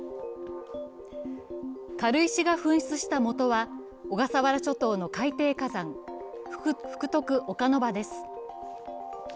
軽石が噴出した元は小笠原諸島の海底火山・福徳岡ノ場です。